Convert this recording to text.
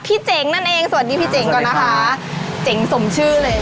พี่เจ๋งนั่นเองสวัสดีพี่เจ๋งก่อนนะคะจั๋งสมชื่อเลยสวัสดีค่ะ